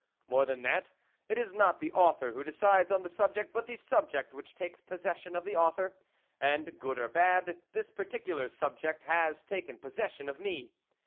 More than that, It Is not the author who decides on the subject, but the subject which takes possession of the author, and, good or bad, this particular subject has taken possession of me.